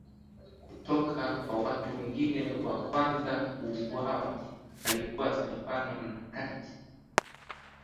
kutoka kwa watu wengine Wa kwanza kuuawa alikuwa Stefano na kati